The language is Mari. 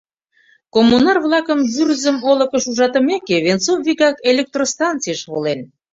Коммунар-влакым Вӱрзым олыкыш ужатымеке, Венцов вигак электростанцийыш волен.